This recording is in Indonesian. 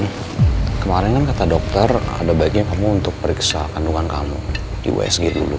kemarin kan kata dokter ada baiknya kamu untuk periksa kandungan kamu di usg dulu